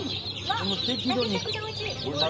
シャキシャキでおいしい！